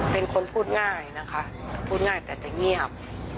เป็นคนพูดง่ายนะคะพูดง่ายแต่จะเงียบ